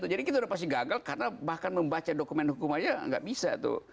jadi kita udah pasti gagal karena bahkan membaca dokumen hukum aja nggak bisa tuh